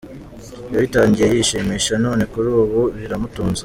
Yabitangiye yishimisha none kuri ubu biramutunze.